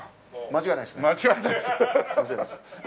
間違いないです。